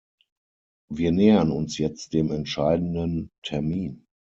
Wir nähern uns jetzt dem entscheidenden Termin.